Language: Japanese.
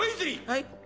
はい？